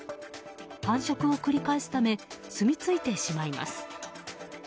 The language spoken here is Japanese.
繁殖を繰り返すためすみついてしまいます。